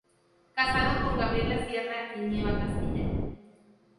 Casado con Gabriela Sierra y Nieva Castilla.